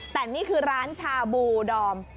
แต่นี่คือร้านชาบูดอม